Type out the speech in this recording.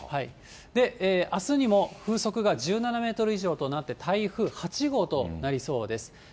あすにも風速が１７メートル以上となって、台風８号となりそうです。